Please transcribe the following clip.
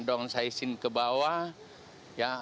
downsizing ke bawah